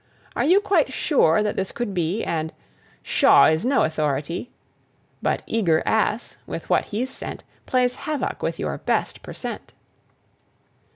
'Are you quite sure that this could be?' And 'Shaw is no authority!' But Eager Ass, with what he's sent, Plays havoc with your best per cent.